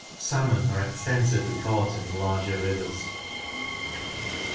Salmon are extensively caught in the larger rivers.